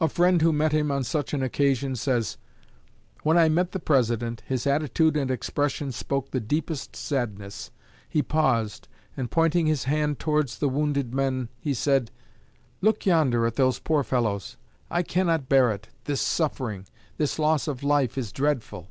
A friend who met him on such an occasion, says: "When I met the President, his attitude and expression spoke the deepest sadness. He paused, and, pointing his hand towards the wounded men, he said: 'Look yonder at those poor fellows. I cannot bear it! This suffering, this loss of life, is dreadful!'